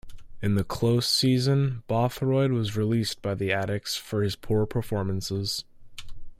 In the close season, Bothroyd was released by the Addicks, for his poor performances.